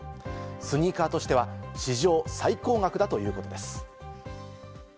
スニーカーとしては史上最高額だということです。